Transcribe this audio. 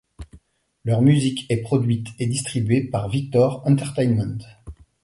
Leur musique est produite et distribuée par Victor Entertainment.